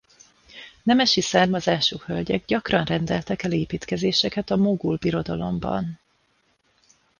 Nemesi származású hölgyek gyakran rendeltek el építkezéseket a Mogul birodalomban.